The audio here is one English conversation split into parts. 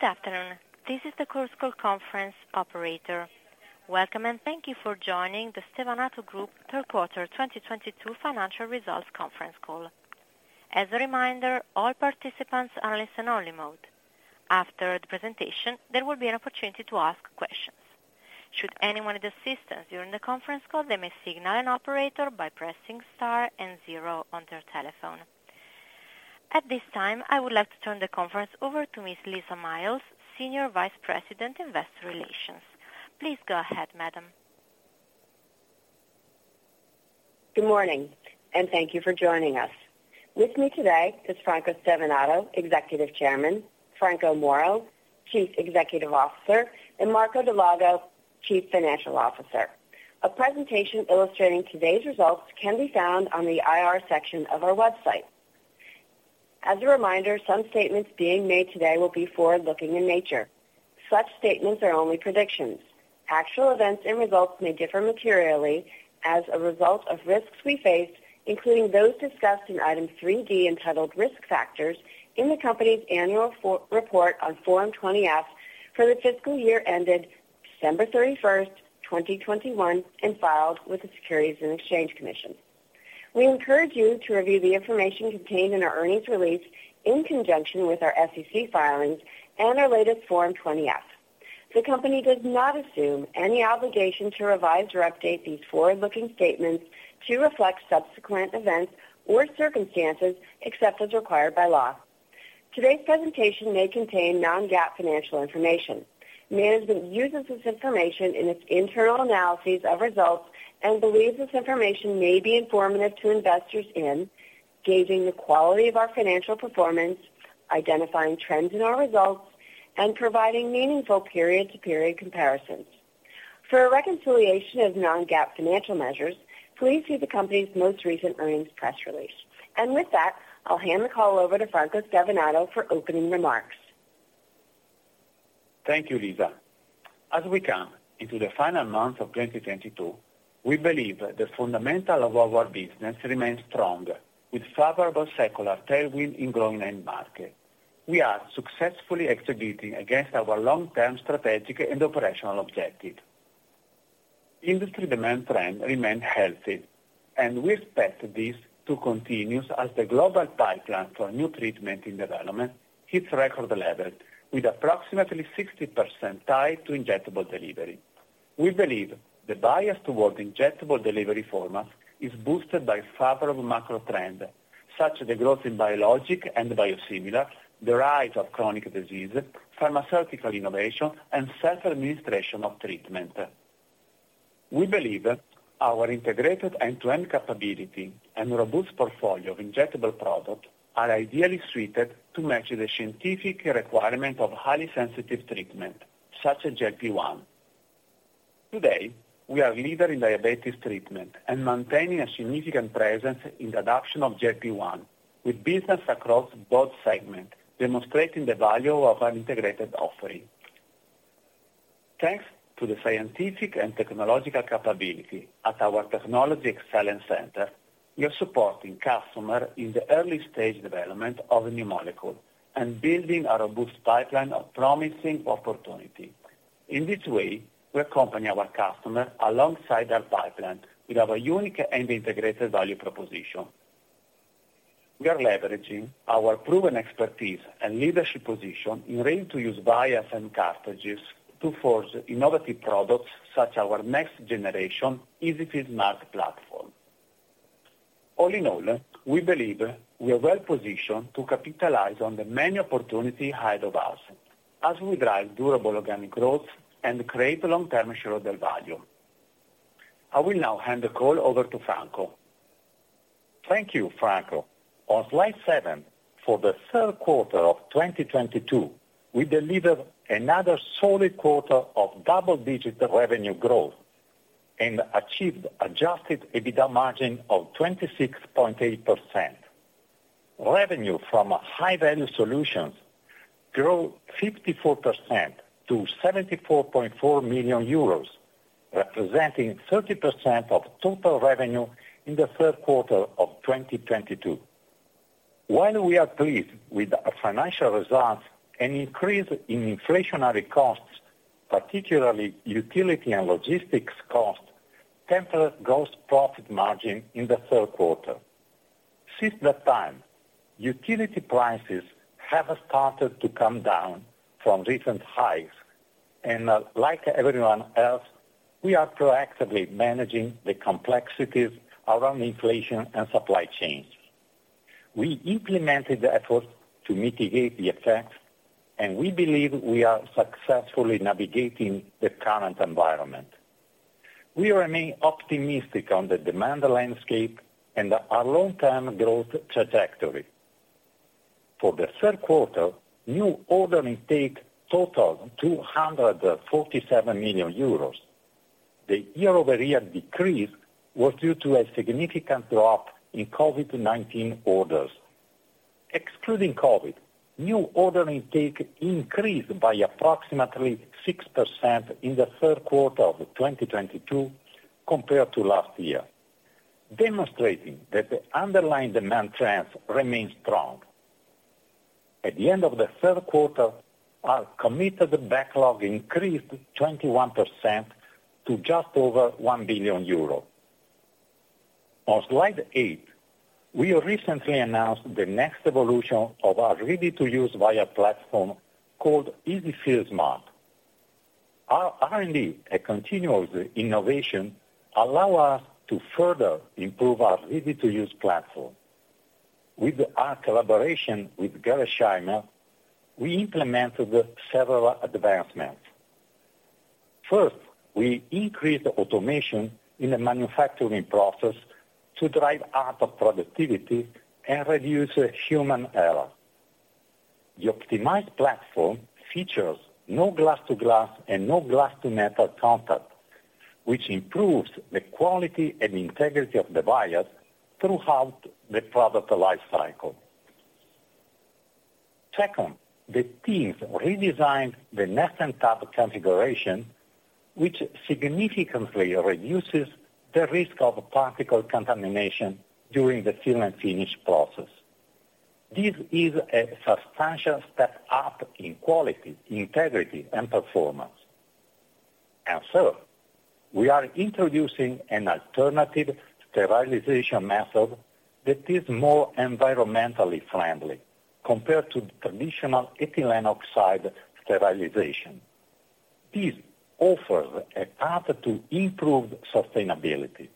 Good afternoon. This is the Chorus Call conference operator. Welcome, and thank you for joining the Stevanato Group third quarter 2022 financial results conference call. As a reminder, all participants are in listen-only mode. After the presentation, there will be an opportunity to ask questions. Should anyone need assistance during the conference call, they may signal an operator by pressing star and zero on their telephone. At this time, I would like to turn the conference over to Ms. Lisa Miles, Senior Vice President, Investor Relations. Please go ahead, madam. Good morning, and thank you for joining us. With me today is Franco Stevanato, Executive Chairman, Franco Moro, Chief Executive Officer, and Marco Dal Lago, Chief Financial Officer. A presentation illustrating today's results can be found on the IR section of our website. As a reminder, some statements being made today will be forward-looking in nature. Such statements are only predictions. Actual events and results may differ materially as a result of risks we face, including those discussed in Item 3.D, entitled Risk Factors, in the company's annual report on Form 20-F for the fiscal year ended December 31, 2021, and filed with the Securities and Exchange Commission. We encourage you to review the information contained in our earnings release in conjunction with our SEC filings and our latest Form 20-F. The company does not assume any obligation to revise or update these forward-looking statements to reflect subsequent events or circumstances except as required by law. Today's presentation may contain non-GAAP financial information. Management uses this information in its internal analyses of results and believes this information may be informative to investors in gauging the quality of our financial performance, identifying trends in our results, and providing meaningful period-to-period comparisons. For a reconciliation of non-GAAP financial measures, please see the company's most recent earnings press release. With that, I'll hand the call over to Franco Stevanato for opening remarks. Thank you, Lisa. As we come into the final month of 2022, we believe the fundamentals of our business remains strong, with favorable secular tailwinds in growing end markets. We are successfully executing against our long-term strategic and operational objectives. Industry demand trends remain healthy, and we expect this to continue as the global pipeline for new treatments in development hits record levels with approximately 60% tied to injectable delivery. We believe the bias towards injectable delivery format is boosted by favorable macro trends, such as the growth in biologics and biosimilars, the rise of chronic disease, pharmaceutical innovation, and self-administration of treatments. We believe our integrated end-to-end capability and robust portfolio of injectable products are ideally suited to match the scientific requirements of highly sensitive treatments such as GLP-1s. Today, we are a leader in diabetes treatment and maintaining a significant presence in the adoption of GLP-1s with business across both segments, demonstrating the value of an integrated offering. Thanks to the scientific and technological capability at our Technology Excellence Center, we are supporting customers in the early stage development of a new molecule and building a robust pipeline of promising opportunities. In this way, we accompany our customers alongside their pipeline with our unique and integrated value proposition. We are leveraging our proven expertise and leadership position in ready-to-use vials and cartridges to forge innovative products such as our next generation EZ-fill Smart platform. All in all, we believe we are well positioned to capitalize on the many opportunities ahead of us as we drive durable organic growth and create long-term shareholder value. I will now hand the call over to Franco. Thank you, Franco. On slide seven, for the third quarter of 2022, we delivered another solid quarter of double-digit revenue growth and achieved adjusted EBITDA margin of 26.8%. Revenue from high-value solutions grew 54% to 74.4 million euros, representing 30% of total revenue in the third quarter of 2022. While we are pleased with our financial results, an increase in inflationary costs, particularly utility and logistics costs, tempered gross profit margin in the third quarter. Since that time, utility prices have started to come down from recent highs. Like everyone else, we are proactively managing the complexities around inflation and supply chains. We implemented efforts to mitigate the effects, and we believe we are successfully navigating the current environment. We remain optimistic on the demand landscape and our long-term growth trajectory. For the third quarter, new order intake totaled 247 million euros. The year-over-year decrease was due to a significant drop in COVID-19 orders. Excluding COVID, new order intake increased by approximately 6% in the third quarter of 2022 compared to last year. Demonstrating that the underlying demand trends remain strong. At the end of the third quarter, our committed backlog increased 21% to just over 1 billion euros. On slide 8, we recently announced the next evolution of our ready-to-use vial platform called EZ-fill Smart. Our R&D and continuous innovation allow us to further improve our ready-to-use platform. With our collaboration with Gerresheimer, we implemented several advancements. First, we increased automation in the manufacturing process to drive up productivity and reduce human error. The optimized platform features no glass to glass and no glass to metal contact, which improves the quality and integrity of the vials throughout the product lifecycle. Second, the teams redesigned the nest and tub configuration, which significantly reduces the risk of particle contamination during the fill and finish process. This is a substantial step up in quality, integrity, and performance. Third, we are introducing an alternative sterilization method that is more environmentally friendly compared to traditional ethylene oxide sterilization. This offers a path to improved sustainability.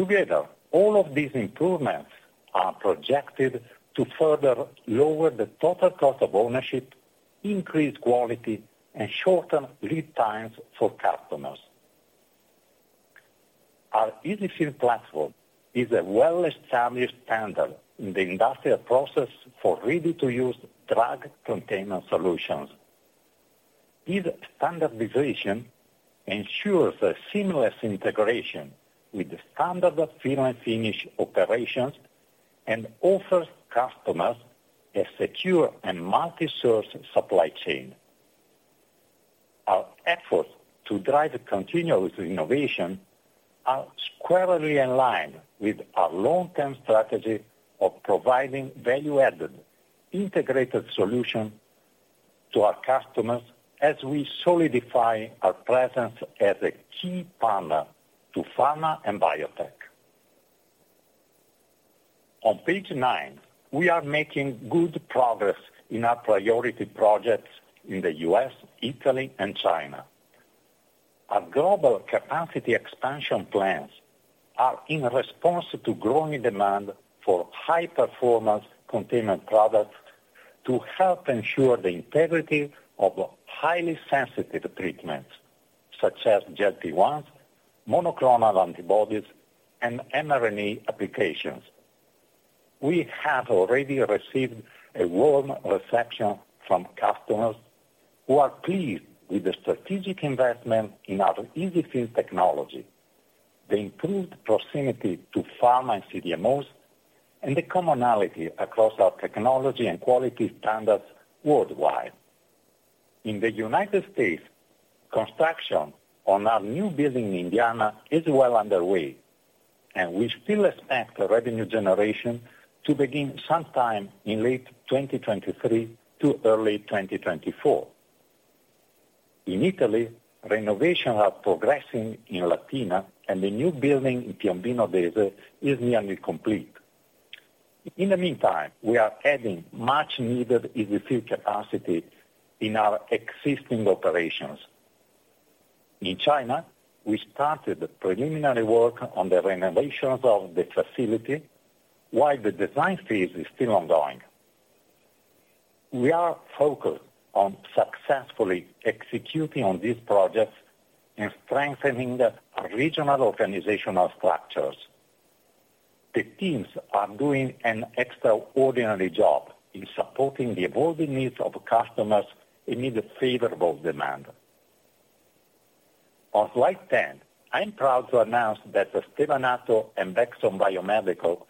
Together, all of these improvements are projected to further lower the total cost of ownership, increase quality, and shorten lead times for customers. Our EZ-fill platform is a well-established standard in the industrial process for ready-to-use drug containment solutions. This standardization ensures a seamless integration with the standard fill and finish operations and offers customers a secure and multi-source supply chain. Our efforts to drive continuous innovation are squarely in line with our long-term strategy of providing value-added integrated solution to our customers as we solidify our presence as a key partner to pharma and biotech. On page nine, we are making good progress in our priority projects in the U.S., Italy, and China. Our global capacity expansion plans are in response to growing demand for high-performance containment products to help ensure the integrity of highly sensitive treatments such as GLP-1s, monoclonal antibodies, and mRNA applications. We have already received a warm reception from customers who are pleased with the strategic investment in our EZ-fill technology, the improved proximity to pharma and CDMOs, and the commonality across our technology and quality standards worldwide. In the United States, construction on our new building in Indiana is well underway, and we still expect revenue generation to begin sometime in late 2023 to early 2024. In Italy, renovations are progressing in Latina and the new building in Piombino Dese is nearly complete. In the meantime, we are adding much needed EZ-fill capacity in our existing operations. In China, we started the preliminary work on the renovations of the facility while the design phase is still ongoing. We are focused on successfully executing on these projects and strengthening our regional organizational structures. The teams are doing an extraordinary job in supporting the evolving needs of customers amid favorable demand. On slide 10, I'm proud to announce that Stevanato and Bexson Biomedical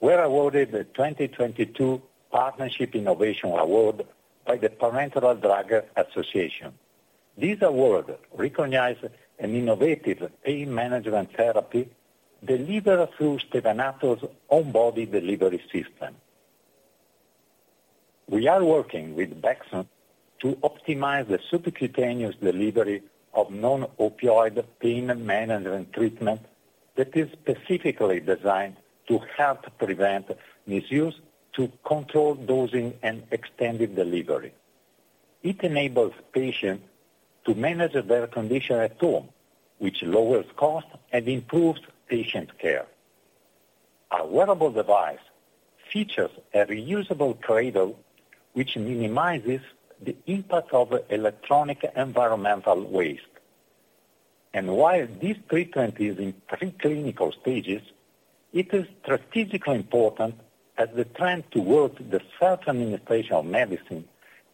were awarded the 2022 Partnership Innovation Award by the Parenteral Drug Association. This award recognized an innovative pain management therapy delivered through Stevanato on-body delivery system. We are working with Bexson to optimize the subcutaneous delivery of non-opioid pain management treatment that is specifically designed to help prevent misuse, to control dosing and extended delivery. It enables patients to manage their condition at home, which lowers cost and improves patient care. Our wearable device features a reusable cradle which minimizes the impact of electronic environmental waste. While this treatment is in pre-clinical stages, it is strategically important as the trend towards the self-administration of medicine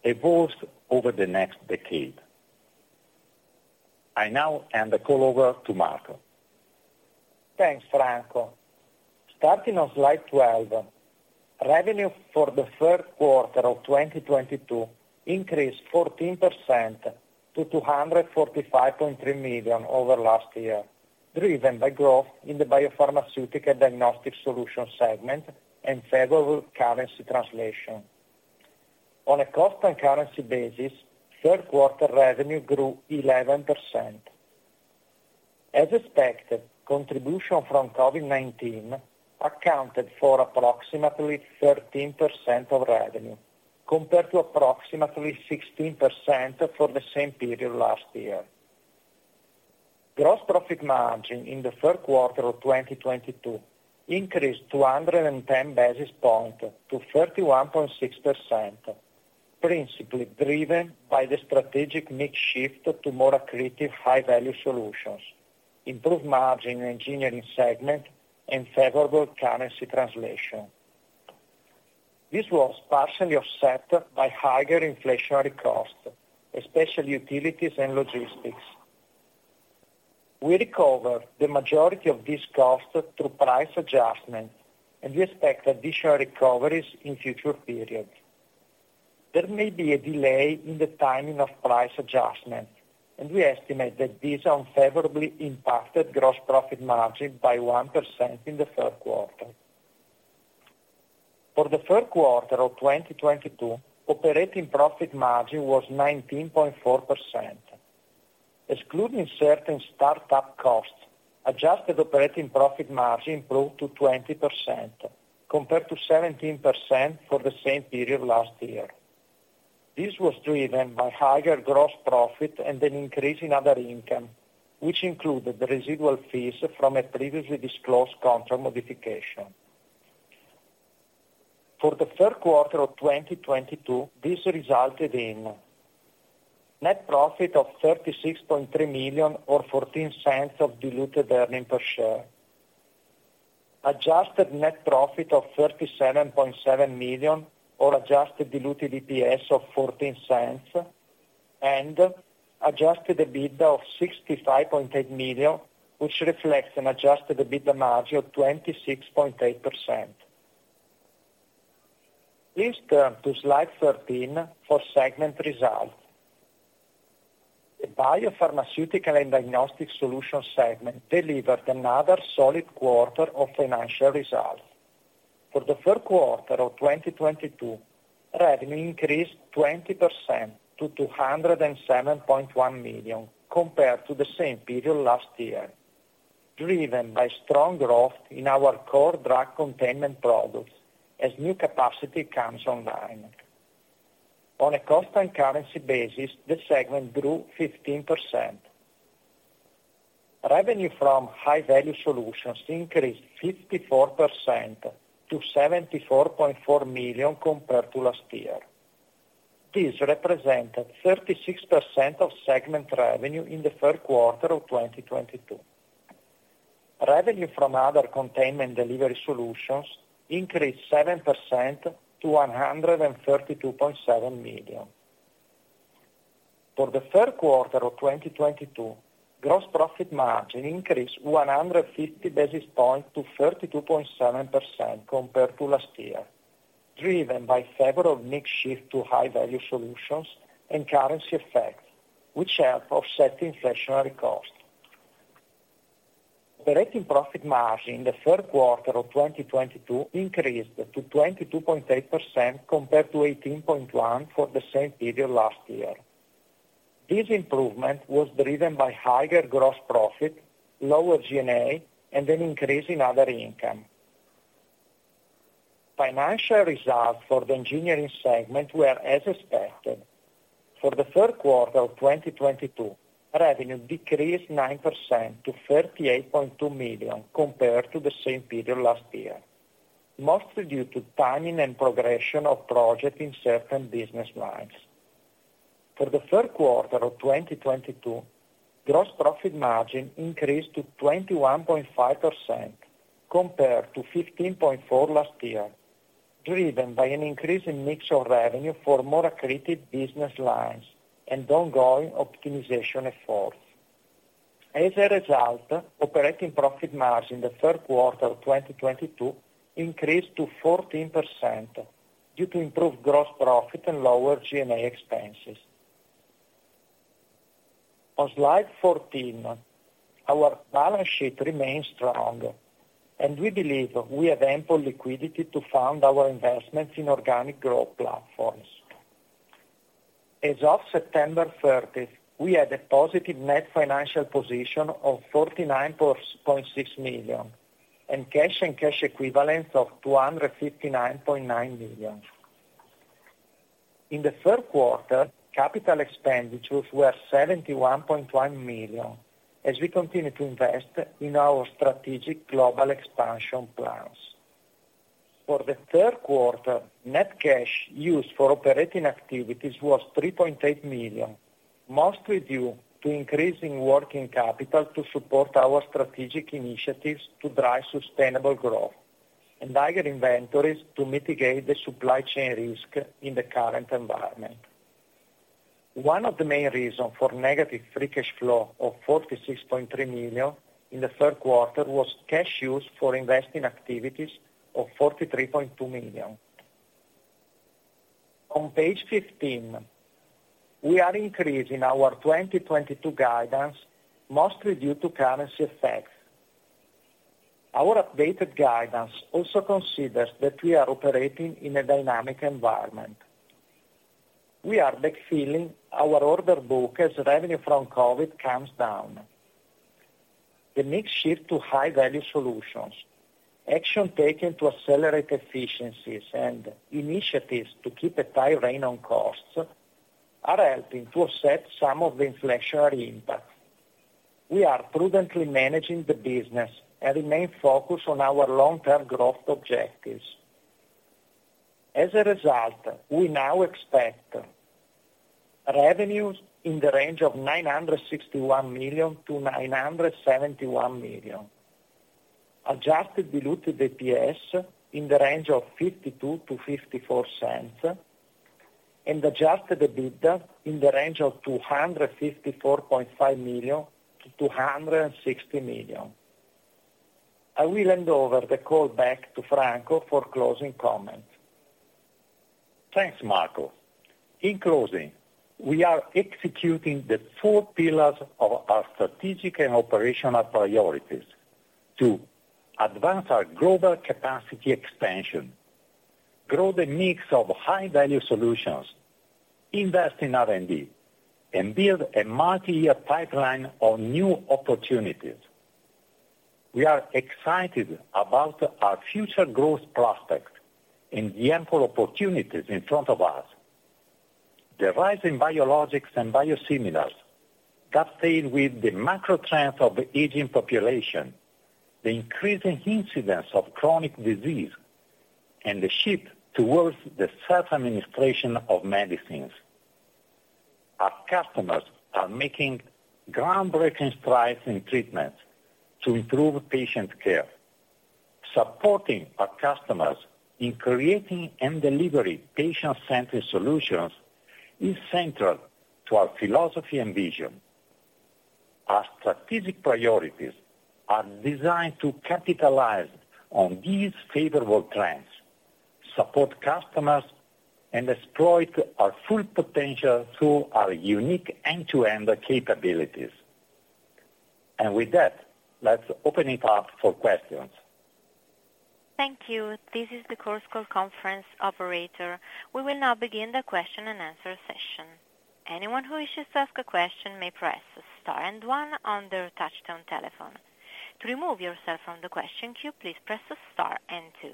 evolves over the next decade. I now hand the call over to Marco. Thanks, Franco. Starting on slide 12, revenue for the third quarter of 2022 increased 14% to 245.3 million over last year, driven by growth in the Biopharmaceutical and Diagnostic Solutions segment and favorable currency translation. On a constant currency basis, third quarter revenue grew 11%. As expected, contribution from COVID-19 accounted for approximately 13% of revenue, compared to approximately 16% for the same period last year. Gross profit margin in the third quarter of 2022 increased 210 basis points to 31.6%, principally driven by the strategic mix shift to more accretive high-value solutions, improved margin in engineering segment, and favorable currency translation. This was partially offset by higher inflationary costs, especially utilities and logistics. We recovered the majority of these costs through price adjustments, and we expect additional recoveries in future periods. There may be a delay in the timing of price adjustments, and we estimate that these unfavorably impacted gross profit margin by 1% in the third quarter. For the third quarter of 2022, operating profit margin was 19.4%. Excluding certain startup costs, adjusted operating profit margin improved to 20%, compared to 17% for the same period last year. This was driven by higher gross profit and an increase in other income, which included the residual fees from a previously disclosed contract modification. For the third quarter of 2022, this resulted in net profit of 36.3 million or 14 cents of diluted earnings per share, adjusted net profit of 37.7 million or adjusted diluted EPS of 14 cents, and adjusted EBITDA of 65.8 million, which reflects an adjusted EBITDA margin of 26.8%. Please turn to slide 13 for segment results. The Biopharmaceutical and Diagnostic Solutions segment delivered another solid quarter of financial results. For the third quarter of 2022, revenue increased 20% to 207.1 million compared to the same period last year, driven by strong growth in our core drug containment products as new capacity comes online. On a constant currency basis, the segment grew 15%. Revenue from high-value solutions increased 54% to 74.4 million compared to last year. This represented 36% of segment revenue in the third quarter of 2022. Revenue from other containment delivery solutions increased 7% to 132.7 million. For the third quarter of 2022, gross profit margin increased 150 basis points to 32.7% compared to last year, driven by favorable mix shift to high-value solutions and currency effects, which helped offset inflationary costs. Operating profit margin in the third quarter of 2022 increased to 22.8% compared to 18.1% for the same period last year. This improvement was driven by higher gross profit, lower G&A, and an increase in other income. Financial results for the engineering segment were as expected. For the third quarter of 2022, revenue decreased 9% to 38.2 million compared to the same period last year, mostly due to timing and progression of projects in certain business lines. For the third quarter of 2022, gross profit margin increased to 21.5% compared to 15.4% last year, driven by an increase in mix of revenue for more accretive business lines and ongoing optimization efforts. As a result, operating profit margin in the third quarter of 2022 increased to 14% due to improved gross profit and lower G&A expenses. On slide 14, our balance sheet remains strong, and we believe we have ample liquidity to fund our investments in organic growth platforms. As of September 30, we had a positive net financial position of 49.6 million and cash and cash equivalents of 259.9 million. In the third quarter, capital expenditures were 71.1 million as we continue to invest in our strategic global expansion plans. For the third quarter, net cash used for operating activities was 3.8 million, mostly due to increase in working capital to support our strategic initiatives to drive sustainable growth and higher inventories to mitigate the supply chain risk in the current environment. One of the main reasons for negative free cash flow of 46.3 million in the third quarter was cash used for investing activities of 43.2 million. On page 15, we are increasing our 2022 guidance, mostly due to currency effects. Our updated guidance also considers that we are operating in a dynamic environment. We are backfilling our order book as revenue from COVID comes down. The mix shift to high-value solutions, action taken to accelerate efficiencies and initiatives to keep a tight rein on costs are helping to offset some of the inflationary impact. We are prudently managing the business and remain focused on our long-term growth objectives. As a result, we now expect revenues in the range of 961 million-971 million, adjusted diluted EPS in the range of $0.52-$0.54, and adjusted EBITDA in the range of 254.5 million-260 million. I will hand over the call back to Franco for closing comments. Thanks, Marco. In closing, we are executing the four pillars of our strategic and operational priorities to advance our global capacity expansion, grow the mix of high-value solutions, invest in R&D, and build a multi-year pipeline of new opportunities. We are excited about our future growth prospects and the ample opportunities in front of us. The rise in biologics and biosimilars, coupled with the macro trends of the aging population, the increasing incidence of chronic disease, and the shift towards the self-administration of medicines. Our customers are making groundbreaking strides in treatments to improve patient care. Supporting our customers in creating and delivering patient-centric solutions is central to our philosophy and vision. Our strategic priorities are designed to capitalize on these favorable trends, support customers, and exploit our full potential through our unique end-to-end capabilities. With that, let's open it up for questions. Thank you. This is the Chorus Call conference operator. We will now begin the question-and-answer session. Anyone who wishes to ask a question may press star and one on their touch-tone telephone. To remove yourself from the question queue, please press star and two.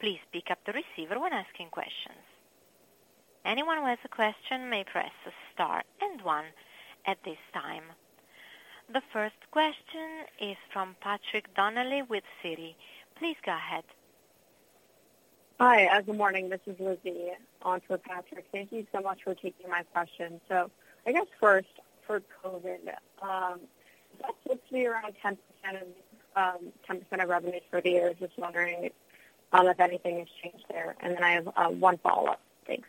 Please pick up the receiver when asking questions. Anyone who has a question may press star and one at this time. The first question is from Patrick Donnelly with Citi. Please go ahead. Hi, good morning. This is Lizzie onto Patrick. Thank you so much for taking my question. I guess first for COVID, that puts me around 10% of revenues for the year. Just wondering if anything has changed there, and then I have one follow-up. Thanks.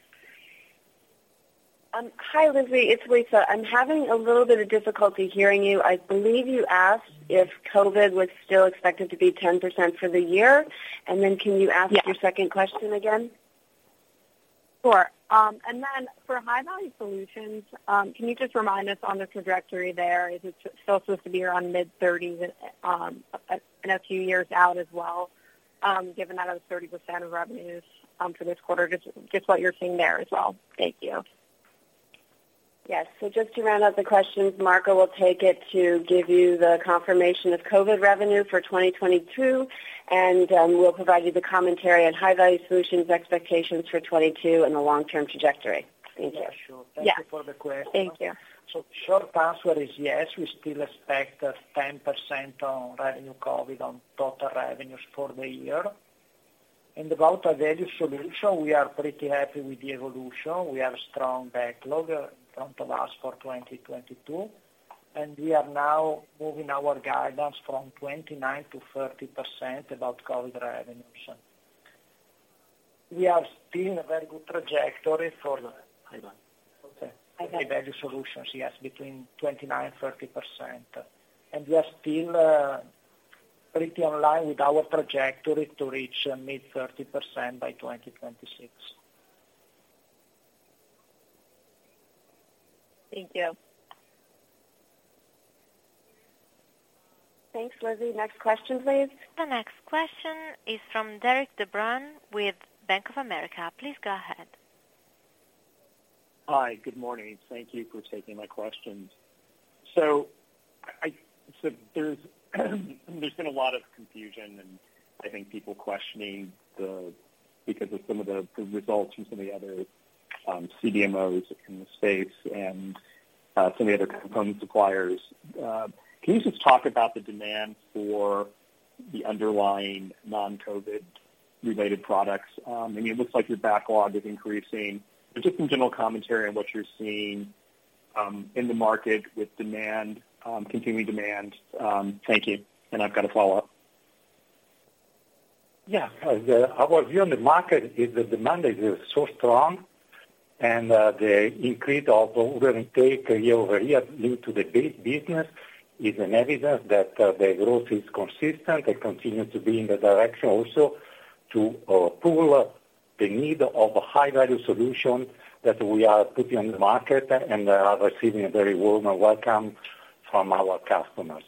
Hi, Lizzie, it's Lisa. I'm having a little bit of difficulty hearing you. I believe you asked if COVID was still expected to be 10% for the year, and then can you ask your second question again? Sure. For high-value solutions, can you just remind us on the trajectory there? Is it still supposed to be around mid-30s% a few years out as well, given that it was 30% of revenues for this quarter, just what you're seeing there as well. Thank you. Yes. Just to round up the questions, Marco will take it to give you the confirmation of COVID revenue for 2022, and we'll provide you the commentary on high-value solutions expectations for 2022 and the long-term trajectory. Thank you. Yeah, sure. Yeah. Thank you for the question. Thank you. Short answer is yes, we still expect 10% on revenue COVID on total revenues for the year. About our high-value solutions, we are pretty happy with the evolution. We have strong backlog in front of us for 2022, and we are now moving our guidance from 29%-30% about COVID revenues. We are still in a very good trajectory for high-value solutions. Yes, between 29%-30%. We are still pretty in line with our trajectory to reach mid-30% by 2026. Thank you. Thanks, Lizzie. Next question, please. The next question is from Derik De Bruin with Bank of America. Please go ahead. Hi. Good morning. Thank you for taking my questions. There's been a lot of confusion and I think people questioning because of some of the results from some of the other CDMOs in the space and some of the other component suppliers. Can you just talk about the demand for the underlying non-COVID related products? I mean, it looks like your backlog is increasing, but just some general commentary on what you're seeing in the market with demand continuing demand. Thank you, and I've got a follow-up. Yeah. Our view on the market is the demand is so strong, and the increase of order intake year-over-year due to the business is an evidence that the growth is consistent and continues to be in the direction also to pull the need of a high-value solution that we are putting on the market and are receiving a very warm welcome from our customers.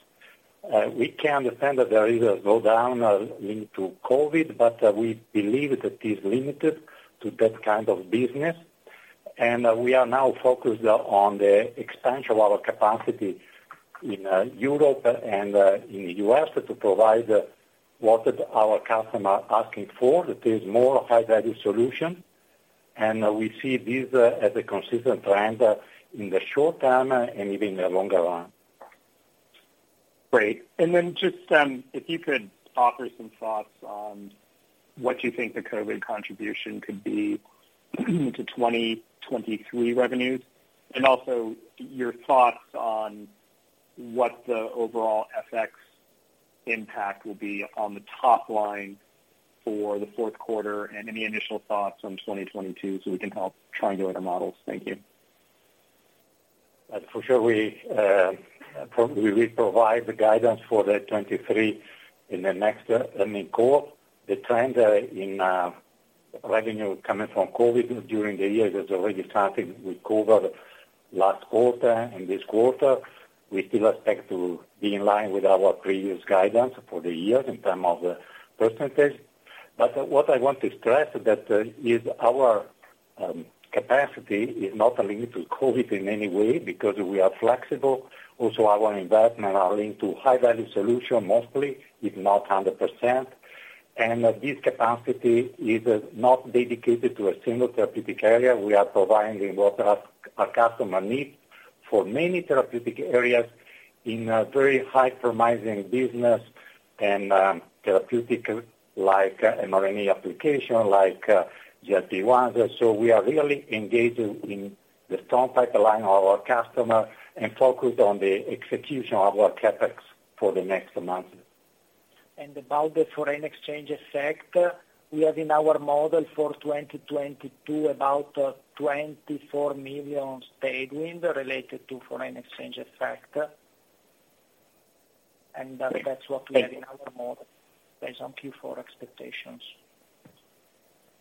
We can understand that there is a slowdown linked to COVID, but we believe that is limited to that kind of business. We are now focused on the expansion of our capacity in Europe and in the U.S. to provide what our customer asking for, that is more high-value solution. We see this as a consistent trend in the short term and even in the longer run. Great. Just if you could offer some thoughts on what you think the COVID contribution could be to 2023 revenues. Your thoughts on what the overall FX impact will be on the top line for the fourth quarter, and any initial thoughts on 2022 so we can help triangulate our models. Thank you. For sure we probably will provide the guidance for 2023 in the next earnings call. The trend in revenue coming from COVID during the year has already started with COVID last quarter and this quarter. We still expect to be in line with our previous guidance for the year in terms of percentage. What I want to stress that is our capacity is not linked to COVID in any way because we are flexible. Also, our investment are linked to high-value solution mostly, if not 100%. This capacity is not dedicated to a single therapeutic area. We are providing what our customer need for many therapeutic areas in a very high promising business and therapeutic like mRNA application, like GLP-1. We are really engaged in the strong pipeline of our customer and focused on the execution of our CapEx for the next months. About the foreign exchange effect, we have in our model for 2022 about 24 million tailwind related to foreign exchange effect. Thank you. That's what we have in our model based on Q4 expectations.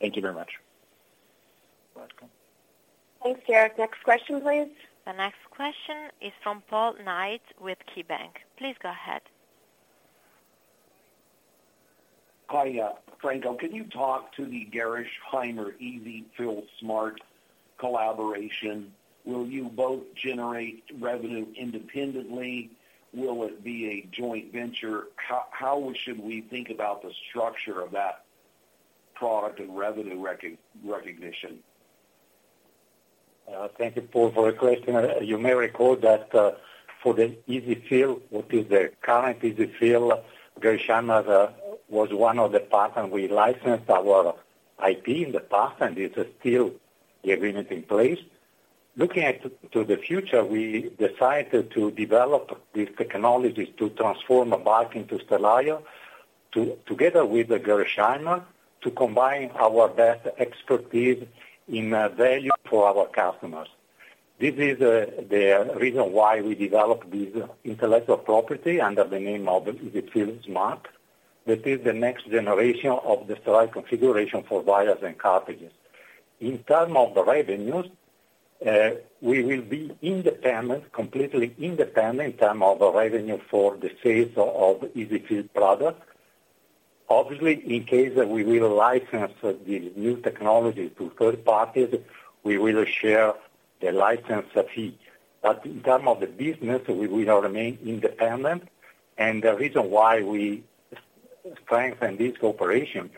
Thank you very much. Welcome. Thanks, Jared. Next question, please. The next question is from Paul Knight with KeyBanc. Please go ahead. Hi, Franco. Can you talk to the Gerresheimer EZ-fill Smart collaboration? Will you both generate revenue independently? Will it be a joint venture? How should we think about the structure of that product and revenue recognition? Thank you, Paul, for the question. You may recall that, for the EZ-fill, what is the current EZ-fill, Gerresheimer's was one of the partner. We licensed our IP in the past, and it's still the agreement in place. Looking to the future, we decided to develop these technologies to transform a vial into Stelia together with Gerresheimer to combine our best expertise and value for our customers. This is the reason why we developed this intellectual property under the name of EZ-fill Smart. That is the next generation of the sterile configuration for vials and cartridges. In terms of the revenues, we will be independent, completely independent in terms of revenue for the sales of EZ-fill product. Obviously, in case we will license the new technology to third parties, we will share the license fee. In terms of the business, we will remain independent. The reason why we strengthen this cooperation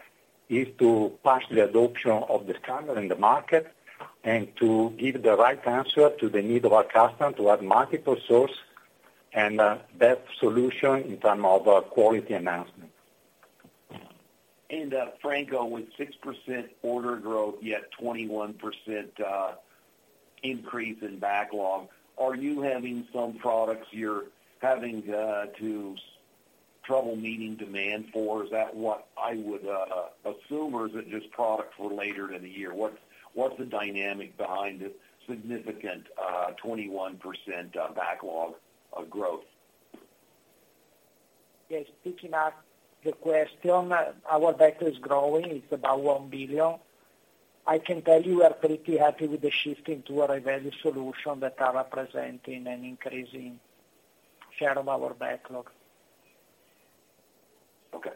is to push the adoption of the standard in the market and to give the right answer to the need of our customer to have multiple sources and best solution in terms of quality and performance. Franco, with 6% order growth, yet 21% increase in backlog, are you having some products you're having trouble meeting demand for? Is that what I would assume, or is it just product for later in the year? What's the dynamic behind the significant 21% backlog growth? Yes. Picking up the question, our backlog is growing. It's about 1 billion. I can tell you we are pretty happy with the shifting to our high-value solutions that are representing an increasing share of our backlog. Okay.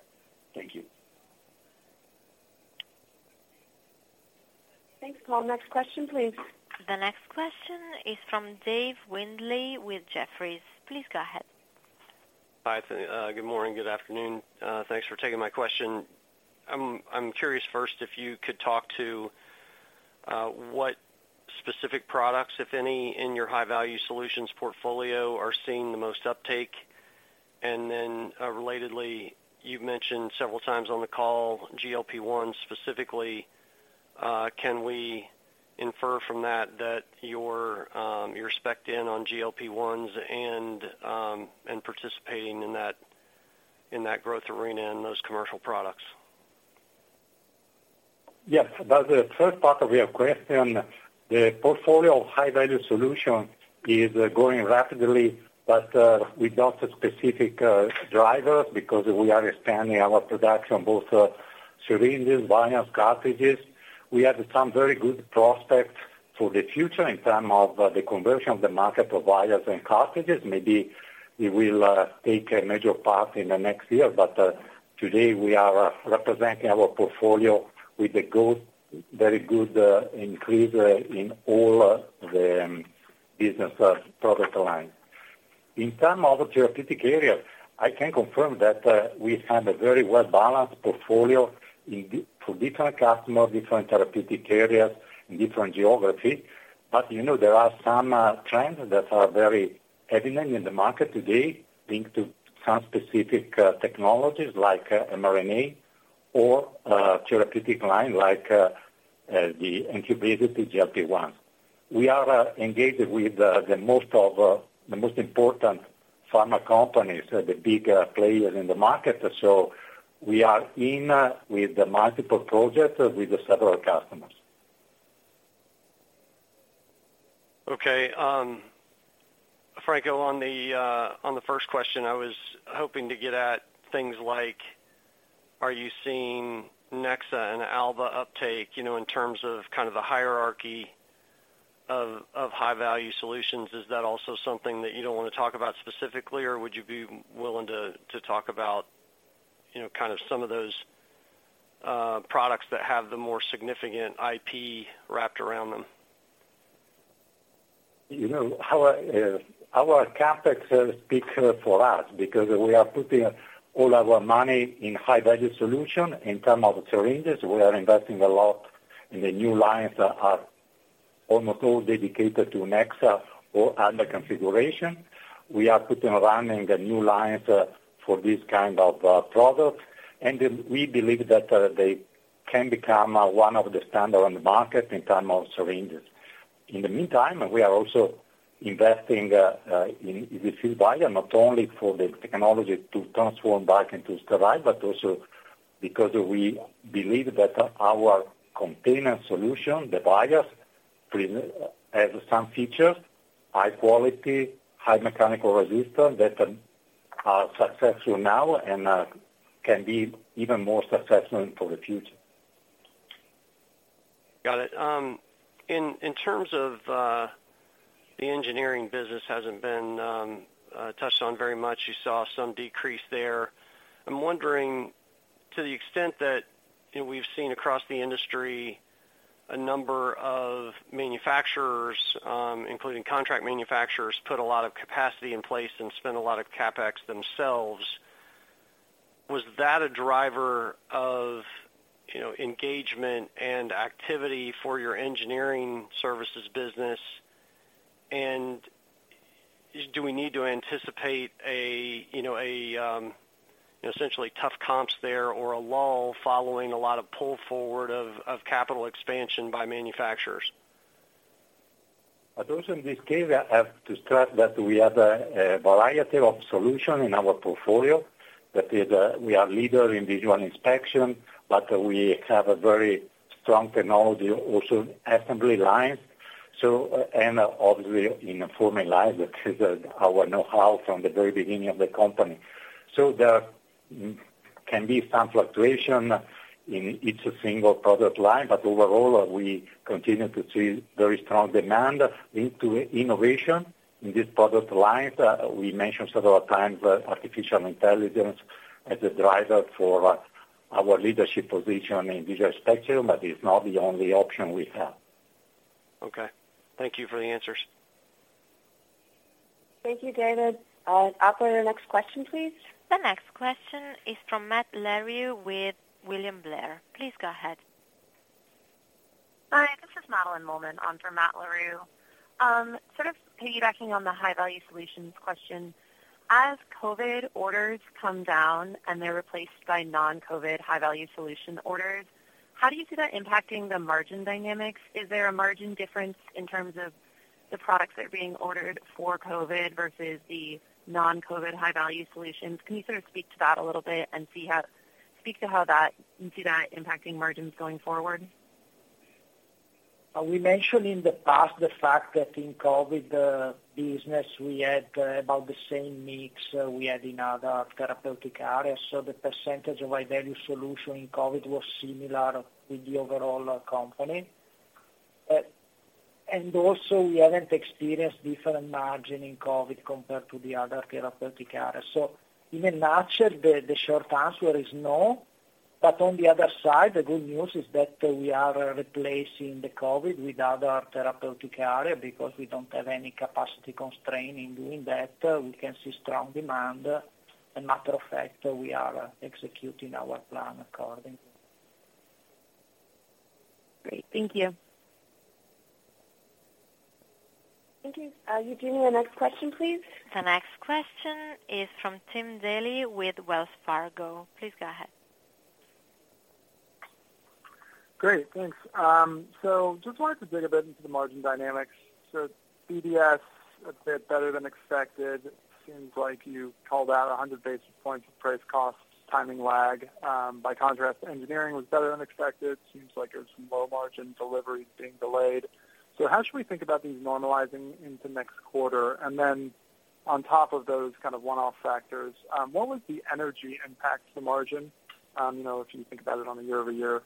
Thank you. Thanks, Paul. Next question, please. The next question is from David Windley with Jefferies. Please go ahead. Hi. Good morning, good afternoon. Thanks for taking my question. I'm curious first if you could talk to what specific products, if any, in your high-value solutions portfolio are seeing the most uptake. Relatedly, you've mentioned several times on the call GLP-1 specifically. Can we infer from that that you're spec-ed in on GLP-1s and participating in that growth arena in those commercial products? Yes. About the first part of your question, the portfolio of high-value solutions is growing rapidly, but without a specific driver because we are expanding our production, both syringes, vials, cartridges. We have some very good prospects for the future in terms of the conversion of the market to prefilled and cartridges. Maybe it will take a major part in the next year. Today we are representing our portfolio with a very good increase in all the business product line. In terms of therapeutic areas, I can confirm that we have a very well-balanced portfolio for different customers, different therapeutic areas, and different geography. You know, there are some trends that are very evident in the market today linked to some specific technologies like mRNA or therapeutic line like including GLP-1. We are engaged with the most important pharma companies, the big players in the market. We are in with the multiple projects with several customers. Okay. Franco, on the first question, I was hoping to get at things like, are you seeing Nexa and Alba uptake, you know, in terms of kind of the hierarchy of high-value solutions? Is that also something that you don't wanna talk about specifically, or would you be willing to talk about, you know, kind of some of those products that have the more significant IP wrapped around them? You know, our CapEx speaks for us because we are putting all our money in high-value solution. In terms of syringes, we are investing a lot in the new lines that are almost all dedicated to Nexa or other configuration. We are putting around in the new lines for this kind of product, and we believe that they can become one of the standard on the market in terms of syringes. In the meantime, we are also investing in refilled vial, not only for the technology to transform back into sterilized, but also because we believe that our container solution, the vials have some features, high quality, high mechanical resistance that are successful now and can be even more successful for the future. Got it. In terms of, the engineering business hasn't been touched on very much. You saw some decrease there. I'm wondering, to the extent that, you know, we've seen across the industry a number of manufacturers, including contract manufacturers, put a lot of capacity in place and spend a lot of CapEx themselves, was that a driver of, you know, engagement and activity for your engineering services business? Do we need to anticipate a, you know, essentially tough comps there or a lull following a lot of pull forward of capital expansion by manufacturers? Also in this case, I have to stress that we have a variety of solutions in our portfolio. That is, we are leaders in visual inspection, but we have a very strong technology also in assembly lines. Obviously in forming lines, which is our know-how from the very beginning of the company. There can be some fluctuation in each single product line, but overall, we continue to see very strong demand for innovation in these product lines. We mentioned several times artificial intelligence as a driver for our leadership position in visual inspection, but it's not the only option we have. Okay. Thank you for the answers. Thank you, David. Operator, next question, please. The next question is from Matt Larew with William Blair. Please go ahead. Hi, this is Madeline Mollman on for Matt Larew. Sort of piggybacking on the high-value solutions question. As COVID orders come down and they're replaced by non-COVID high-value solution orders, how do you see that impacting the margin dynamics? Is there a margin difference in terms of the products that are being ordered for COVID versus the non-COVID high-value solutions? Can you sort of speak to that a little bit and speak to how you see that impacting margins going forward? We mentioned in the past the fact that in COVID business we had about the same mix we had in other therapeutic areas. The percentage of high-value solution in COVID was similar with the overall company. Also we haven't experienced different margin in COVID compared to the other therapeutic areas. Even not sure, the short answer is no. On the other side, the good news is that we are replacing the COVID with other therapeutic area because we don't have any capacity constraint in doing that. We can see strong demand. As a matter of fact, we are executing our plan accordingly. Great. Thank you. Thank you. Eugene, the next question, please. The next question is from Tim Daly with Wells Fargo. Please go ahead. Great, thanks. Just wanted to dig a bit into the margin dynamics. BDS, a bit better than expected. Seems like you called out 100 basis points of price costs, timing lag. By contrast, engineering was better than expected. Seems like there's some low margin deliveries being delayed. How should we think about these normalizing into next quarter? Then on top of those kind of one-off factors, what was the energy impact to the margin? You know, if you think about it on a year-over-year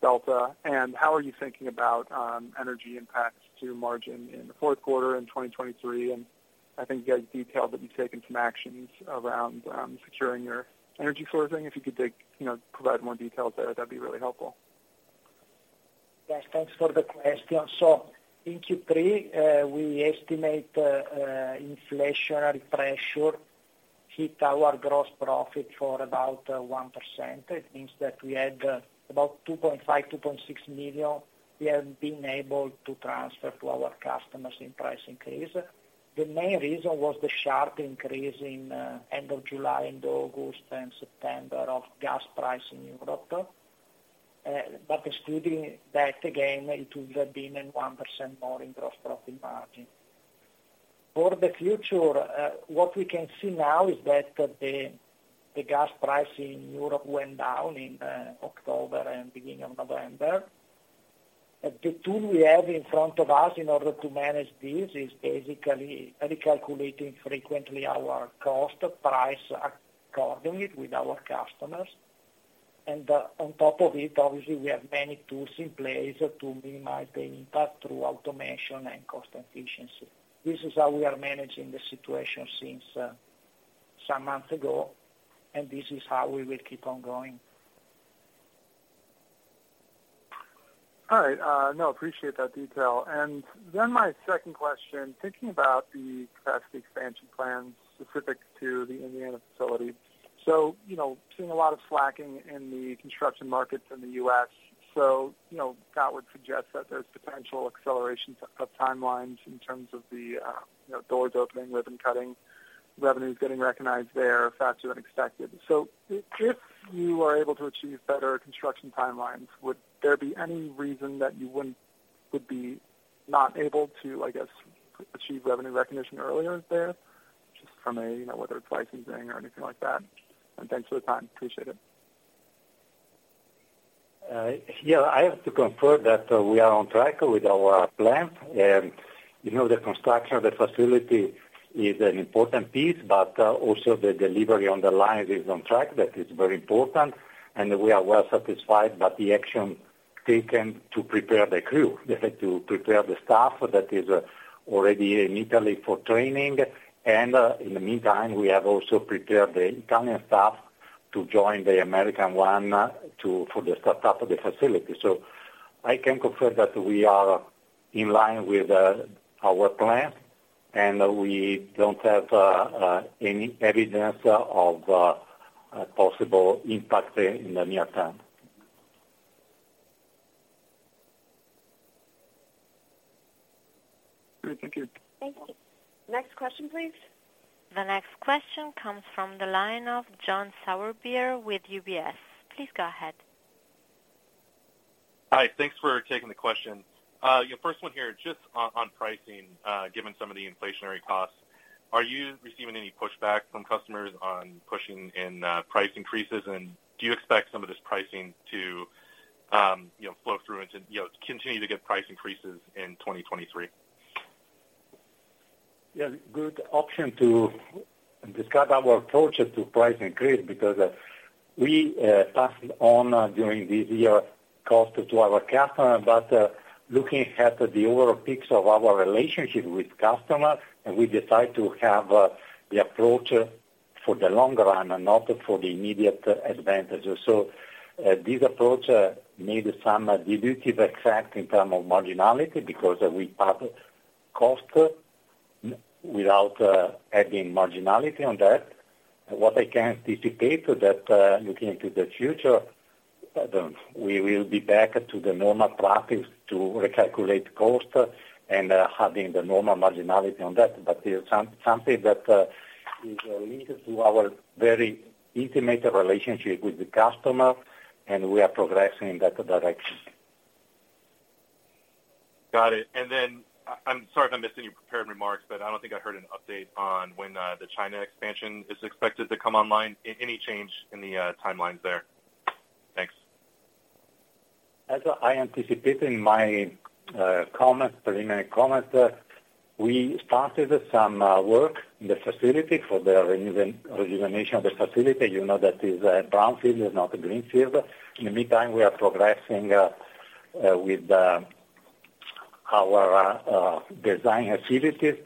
delta. How are you thinking about energy impacts to margin in the fourth quarter in 2023? I think you had detailed that you've taken some actions around securing your energy sourcing. If you could dig, you know, provide more details there, that'd be really helpful. Yes, thanks for the question. In Q3, we estimate inflationary pressure hit our gross profit for about 1%. It means that we had about 2.5-2.6 million we have been able to transfer to our customers in price increase. The main reason was the sharp increase in end of July into August and September of gas price in Europe. Excluding that, again, it would have been 1% more in gross profit margin. For the future, what we can see now is that the gas price in Europe went down in October and beginning of November. The tool we have in front of us in order to manage this is basically recalculating frequently our cost price accordingly with our customers. On top of it, obviously, we have many tools in place to minimize the impact through automation and cost efficiency. This is how we are managing the situation since some months ago, and this is how we will keep on going. All right. No, appreciate that detail. Then my second question, thinking about the capacity expansion plans specific to the Indiana facility. You know, seeing a lot of slacking in the construction markets in the US, you know, that would suggest that there's potential acceleration of timelines in terms of the, you know, doors opening, ribbon cutting, revenues getting recognized there faster than expected. If you are able to achieve better construction timelines, would there be any reason that you wouldn't be able to, I guess, achieve revenue recognition earlier there? Just from a, you know, whether it's licensing or anything like that. Thanks for the time. Appreciate it. Yeah, I have to confirm that we are on track with our plan. You know, the construction of the facility is an important piece, but also the delivery on the line is on track. That is very important. We are well satisfied about the action taken to prepare the crew, to prepare the staff that is already in Italy for training. In the meantime, we have also prepared the Italian staff to join the American one for the startup of the facility. I can confirm that we are in line with our plan, and we don't have any evidence of possible impact in the near term. All right. Thank you. Thank you. Next question, please. The next question comes from the line of John Sourbeer with UBS. Please go ahead. Hi. Thanks for taking the question. Yeah, first one here, just on pricing, given some of the inflationary costs, are you receiving any pushback from customers on pushing in price increases? Do you expect some of this pricing to, you know, flow through into, you know, continue to get price increases in 2023? Yeah. Good option to describe our approach to price increase because we passed on during this year cost to our customer. Looking at the overall picture of our relationship with customer, and we decide to have the approach for the long run and not for the immediate advantage. This approach made some dilutive effect in term of marginality because we passed cost without adding marginality on that. What I can anticipate that looking into the future we will be back to the normal practice to recalculate cost and having the normal marginality on that. It's something that is linked to our very intimate relationship with the customer, and we are progressing in that direction. Got it. I'm sorry if I missed in your prepared remarks, but I don't think I heard an update on when, the China expansion is expected to come online. Any change in the, timelines there? Thanks. As I anticipated in my comments, preliminary comments, we started some work in the facility for the rejuvenation of the facility. You know that is a brownfield, is not a greenfield. In the meantime, we are progressing with our design facilities.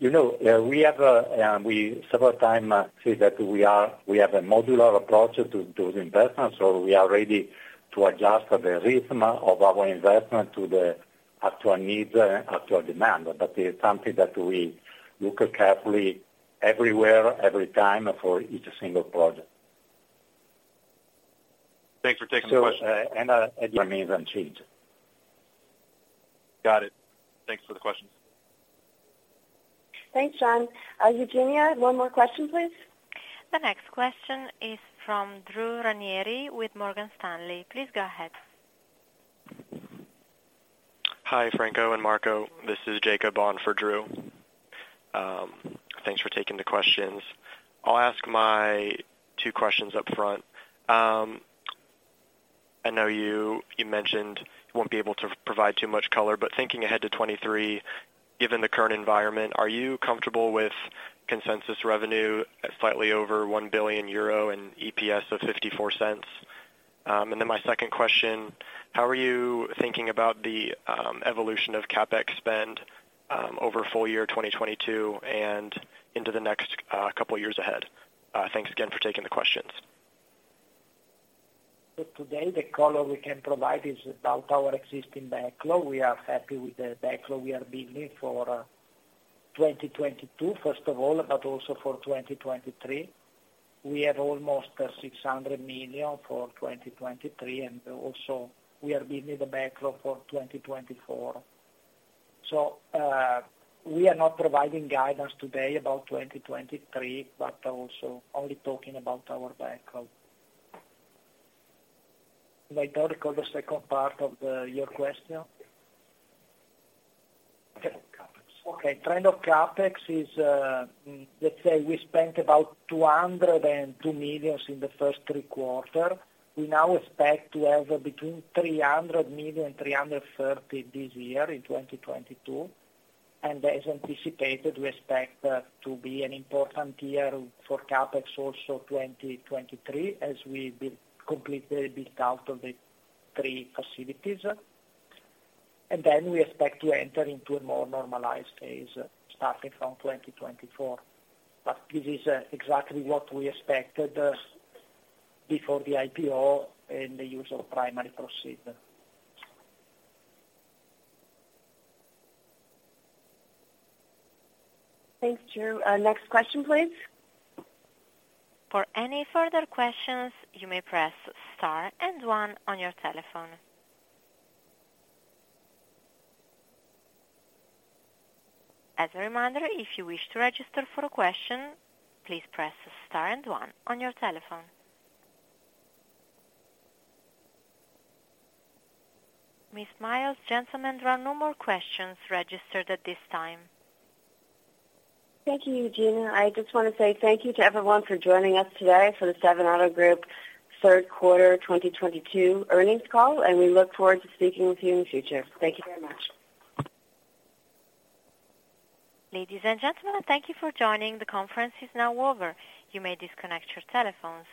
You know, we have a we several times say that we have a modular approach to the investment, so we are ready to adjust the rhythm of our investment to the actual need, actual demand. It's something that we look carefully everywhere, every time for each single project. Thanks for taking the question. remains unchanged. Got it. Thanks for the questions. Thanks, John. Eugenia, one more question, please. The next question is from Drew Ranieri with Morgan Stanley. Please go ahead. Hi, Franco and Marco. This is Jacob on for Drew. Thanks for taking the questions. I'll ask my two questions up front. I know you mentioned you won't be able to provide too much color, but thinking ahead to 2023, given the current environment, are you comfortable with consensus revenue at slightly over 1 billion euro and EPS of $0.54? And then my second question, how are you thinking about the evolution of CapEx spend over full year 2022 and into the next couple years ahead? Thanks again for taking the questions. Today, the color we can provide is about our existing backlog. We are happy with the backlog we are building for 2022, first of all, but also for 2023. We have almost 600 million for 2023, and also we are building the backlog for 2024. We are not providing guidance today about 2023, but also only talking about our backlog. Vittorio, call the second part of your question. Trend of CapEx. Okay. Trend of CapEx is, let's say we spent about 202 million in the first three quarters. We now expect to have between 300 million and 330 million this year in 2022. As anticipated, we expect to be an important year for CapEx also 2023, as we completely build out the three facilities. Then we expect to enter into a more normalized phase starting from 2024. This is exactly what we expected before the IPO and the use of primary proceeds. Thanks, Drew. Next question, please. For any further questions, you may press star and one on your telephone. As a reminder, if you wish to register for a question, please press star and one on your telephone. Ms. Miles, gentlemen, there are no more questions registered at this time. Thank you, Eugenia. I just wanna say thank you to everyone for joining us today for the Stevanato Group third quarter 2022 earnings call, and we look forward to speaking with you in the future. Thank you very much. Ladies and gentlemen, thank you for joining. The conference is now over. You may disconnect your telephones.